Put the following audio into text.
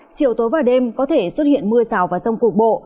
chiều tối và đêm có thể xuất hiện mưa rào và rông cục bộ